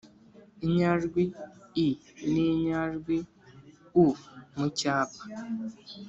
inyajwi i n’inyajwi u mu cyapa,